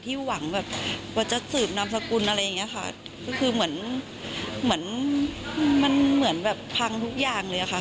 หวังแบบว่าจะสืบนามสกุลอะไรอย่างเงี้ยค่ะก็คือเหมือนเหมือนมันเหมือนแบบพังทุกอย่างเลยค่ะ